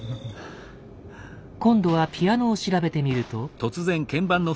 今度はピアノを調べてみると。